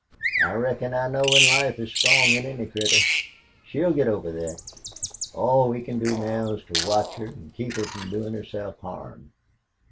"I reckon I know when life is strong in any critter. She'll git over thet. All we can do now is to watch her an' keep her from doin' herself harm.